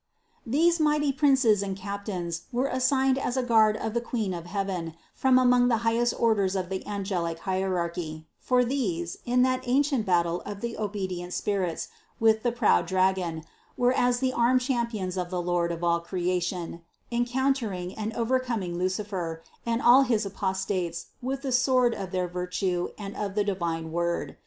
These mighty princes and captains were as signed as a guard of the Queen of heaven from among the highest orders of the angelic hierarchy; for these, in that ancient battle of the obedient spirits with the proud dragon, were as the armed champions of the Lord of all creation, encountering and overcoming Lucifer and all his apostates with the sword of their virtue and of the divine Word.